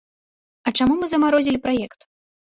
А чаму мы замарозілі праект?